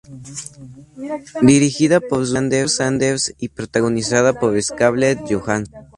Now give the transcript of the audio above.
Dirigida por Rupert Sanders y protagonizada por Scarlett Johansson.